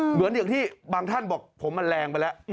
เหมือนอย่างที่บางท่านบอกผมมันแรงไปแล้ว